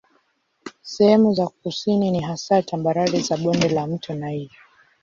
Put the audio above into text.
Sehemu za kusini ni hasa tambarare za bonde la mto Niger.